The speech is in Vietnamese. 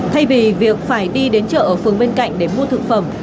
thay vì việc phải đi đến chợ ở phường bên cạnh để mua thực phẩm